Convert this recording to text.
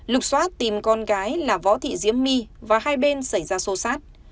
lục xoát tìm con gái là võ thị diễm my và hai bên xảy ra xô xát